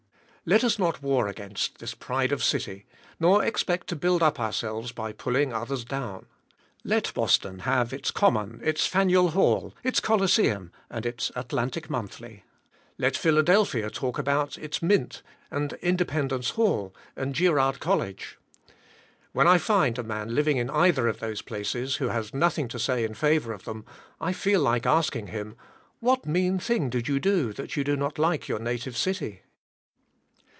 Let us not war against this pride of city, nor expect to build up ourselves by pulling others down. Let Boston have its Common, its Faneuil Hall, its Coliseum, and its Atlantic Monthly. Let Philadelphia talk about its Mint, and Independence Hall, and Girard College. When I find a man living in either of those places, who has nothing to say in favor of them, I feel like asking him, "What mean thing did you do, that you do not like your native city?"